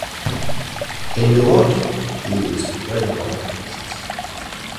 In Nahuatl it means "where the water twists".